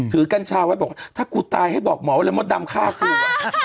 ถือกัญชาไว้บอกถ้ากูตายให้บอกหมอว่ามดดำฆ่ากู